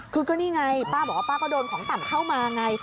คือก็นี่ไงป้าบอกว่าป้าก็โดนของต่ำเข้ามาไง